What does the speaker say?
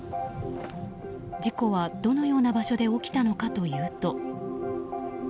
事故は、どのような場所で起きたのかというと。